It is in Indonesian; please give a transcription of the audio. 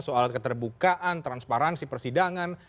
soal keterbukaan transparansi persidangan